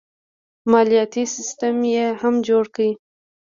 مالیاتي سیستم یې هم جوړ کړ.